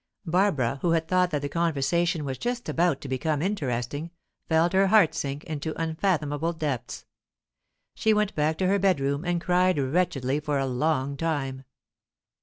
Barbara, who had thought that the conversation was just about to become interesting, felt her heart sink into unfathomable depths. She went back to her bedroom and cried wretchedly for a long time.